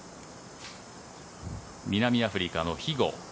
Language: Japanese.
南アフリカのヒゴ。